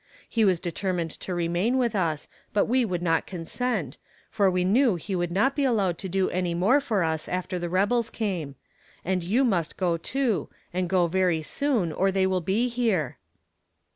He was determined to remain with us, but we would not consent, for we knew he would not be allowed to do any more for us after the rebels came; and you must go too, and go very soon or they will be here."